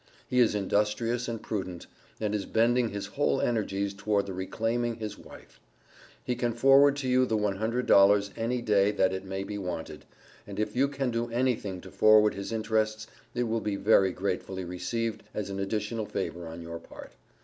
He is industrious and prudent, and is bending his whole energies toward the reclaiming his wife. He can forward to you the one hundred dollars at any day that it may be wanted, and if you can do anything to forward his interests it will be very gratefully received as an additional favor on your part.